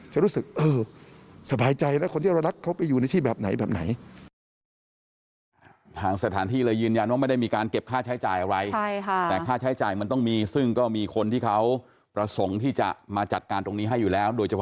จะรู้สึกสบายใจนะคนที่เรารักเขาไปอยู่ในที่แบบไหน